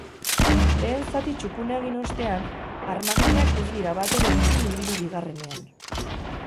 Lehen zati txukuna egin ostean, armaginak ez dira batere fin ibili bigarrenean.